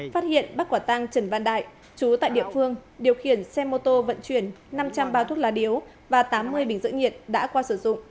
phát hiện bắt quả tăng trần văn đại chú tại địa phương điều khiển xe mô tô vận chuyển năm trăm linh bao thuốc lá điếu và tám mươi bình giữ nhiệt đã qua sử dụng